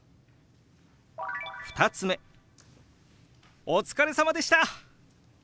２つ目「お疲れさまでした！」。